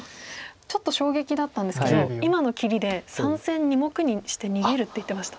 ちょっと衝撃だったんですけど今の切りで３線２目にして逃げるって言ってました。